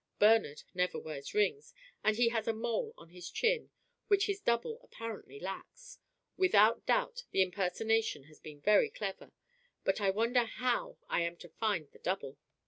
"Bernard never wears rings, and he has a mole on his chin which this double apparently lacks. Without doubt the impersonation has been very clever. But I wonder how I am to find the double."